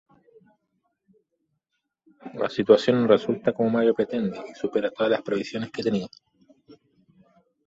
La situación no resulta como Mario pretende y supera todas las previsiones que tenía.